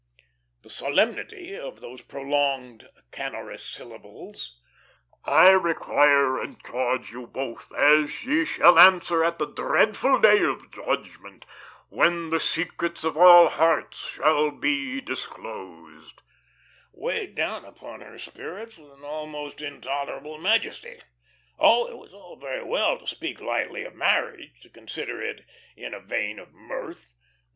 The solemnity of those prolonged, canorous syllables: "I require and charge you both, as ye shall answer at the dreadful day of judgment, when the secrets of all hearts shall be disclosed," weighed down upon her spirits with an almost intolerable majesty. Oh, it was all very well to speak lightly of marriage, to consider it in a vein of mirth.